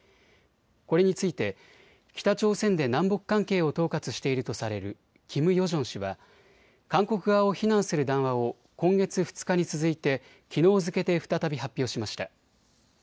これについて北朝鮮で南北関係を統括しているとされるキム・ヨジョン氏は韓国側を非難する談話を今月２日に続いてきのう付けで再び発表しました。